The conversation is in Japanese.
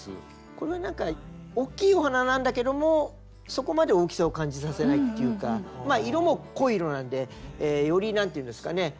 これはおっきいお花なんだけどもそこまで大きさを感じさせないっていうか色も濃い色なんでより何ていうんですかね